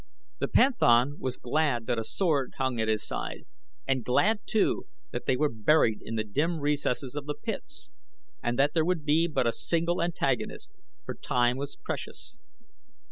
The panthan was glad that a sword hung at his side, and glad too that they were buried in the dim recesses of the pits and that there would be but a single antagonist, for time was precious.